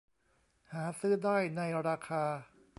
หาซื้อได้ในราคา